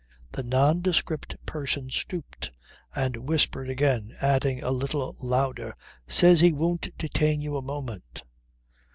The nondescript person stooped and whispered again, adding a little louder: "Says he won't detain you a moment."